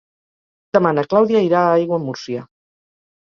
Demà na Clàudia irà a Aiguamúrcia.